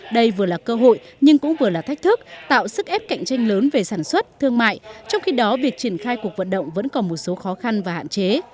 đây vừa là cơ hội nhưng cũng vừa là thách thức tạo sức ép cạnh tranh lớn về sản xuất thương mại trong khi đó việc triển khai cuộc vận động vẫn còn một số khó khăn và hạn chế